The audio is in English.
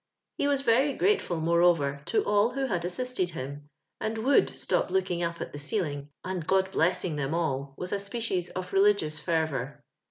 Ho was very grateful, moreover, to all who had assisted him, and would stop looking up at the ceiling, and God blessing them all with a species of religious fervour.